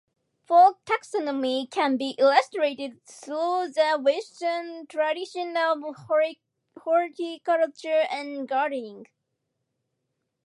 Folk taxonomy can be illustrated through the Western tradition of horticulture and gardening.